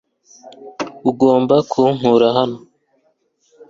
Ugomba kunkura hano .